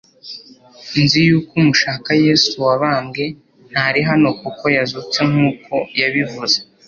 nzi yuko mushaka Yesu wabambwe, ntari hano kuko yazutse nk'uko yavuze.